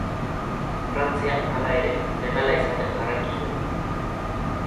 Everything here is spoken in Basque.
Frantzian, hala ere, legala izaten jarraitu zuen.